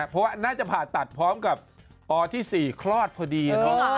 เพราะว่าน่าจะผ่าตัดพร้อมกับปที่๔คลอดพอดี